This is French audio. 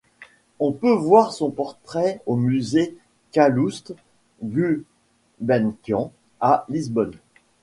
On peut voir son portrait au musée Calouste-Gulbenkian à Lisbonne.